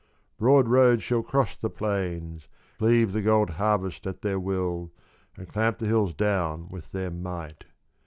Broad roads shall cross the plains Cleave the gold harvest at their will And clamp the hills down with their might.